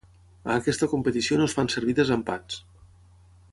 A aquesta competició no es fan servir desempats.